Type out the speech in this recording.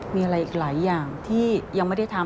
มีอะไรอีกหลายอย่างที่ยังไม่ได้ทำ